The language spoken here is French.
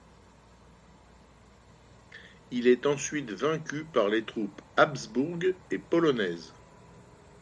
Il est ensuite vaincu par les troupes habsbourg et polonaises.